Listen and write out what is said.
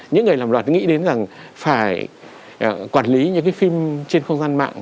những người làm luật nghĩ đến rằng phải quản lý những cái phim trên không gian mạng